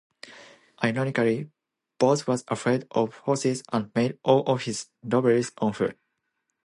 Ironically, Boles was afraid of horses and made all of his robberies on foot.